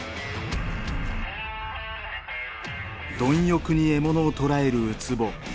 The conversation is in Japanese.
貪欲に獲物を捕らえるウツボ。